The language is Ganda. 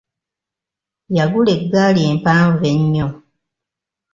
Yagula egaali empanvu ennyo.